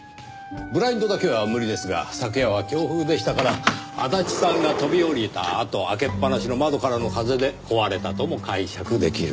ブラインドだけは無理ですが昨夜は強風でしたから足立さんが飛び降りたあと開けっぱなしの窓からの風で壊れたとも解釈できる。